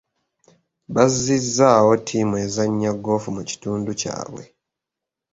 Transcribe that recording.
Bazizzaawo ttiimu ezannya goofu mu kitundu kyabwe.